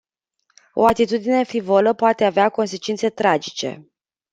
O atitudine frivolă poate avea consecințe tragice.